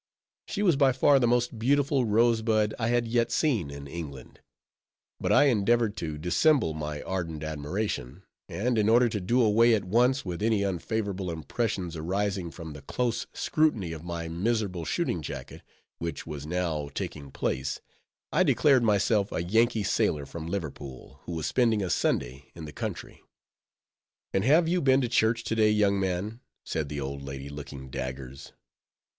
She was by far the most beautiful rosebud I had yet seen in England. But I endeavored to dissemble my ardent admiration; and in order to do away at once with any unfavorable impressions arising from the close scrutiny of my miserable shooting jacket, which was now taking place, I declared myself a Yankee sailor from Liverpool, who was spending a Sunday in the country. "And have you been to church to day, young man?" said the old lady, looking daggers.